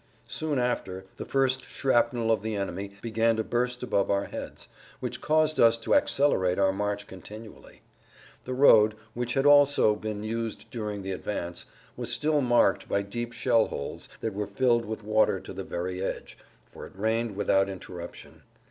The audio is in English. Soon after, the first shrapnel of the enemy began to burst above our heads, which caused us to accelerate our march continually. The road, which had also been used during the advance, was still marked by deep shell holes that were filled with water to the very edge, for it rained without interruption.